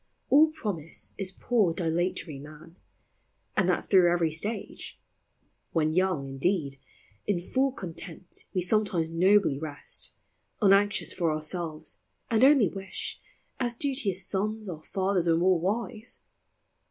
All promise is poor dilatory man, And that through every stage. When young, in deed, In full content we sometimes nobly rest, Unanxious for ourselves, and only wish, As duteous sous, our fathers were more wise.